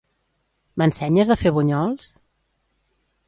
M'ensenyes a fer bunyols?